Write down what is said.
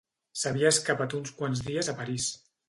S’havia escapat uns quants dies a París.